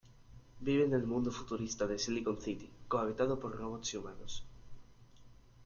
Vive en el mundo futurista de Silicon City, co-habitado por robots y humanos.